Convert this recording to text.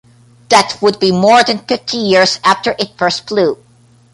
That would be more than fifty years after it first flew.